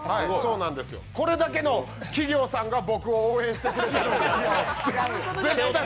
これだけの企業さんが僕を応援してくれてると。